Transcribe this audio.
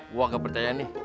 gue agak percaya nih